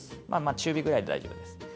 まあまあ中火ぐらいで大丈夫です。